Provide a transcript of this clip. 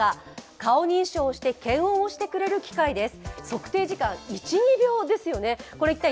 顔認証をして検温をしてくれる機械です。